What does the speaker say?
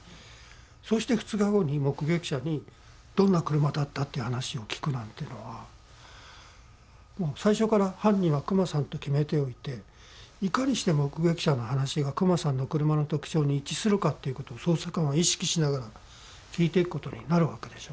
そして２日後に目撃者に「どんな車だった？」っていう話を聞くなんていうのはもう最初から犯人は久間さんと決めておいていかにして目撃者の話が久間さんの車の特徴に一致するかっていうことを捜査官は意識しながら聞いていくことになるわけでしょ。